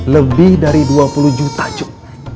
lebih dari dua puluh juta cup